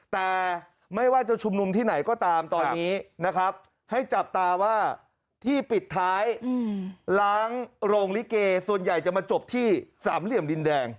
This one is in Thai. แต่ไม่ว่าจะชุมนุมที่ไหนก็ตามตอนนี้นะครับให้จับตาว่าที่ปิดท้ายล้างโรงลิเกส่วนใหญ่จะมาจบที่สามเหลี่ยมดินแดง